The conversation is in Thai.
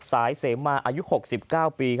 เสมมาอายุ๖๙ปี